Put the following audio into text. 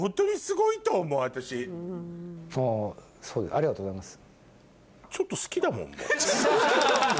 ありがとうございます。